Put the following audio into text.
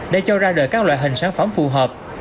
để cho ra đời các loại hình sản phẩm phù hợp